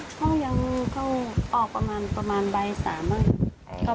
ก็ยังก็ออกประมาณประมาณใบ๓นึงครับ